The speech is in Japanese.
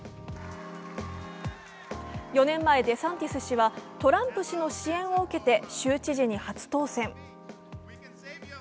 ４年前、デサンティス氏はトランプ氏の支援を受けて州知事に初当選。